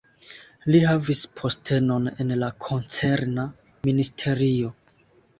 Li havis postenon en la koncerna ministerio.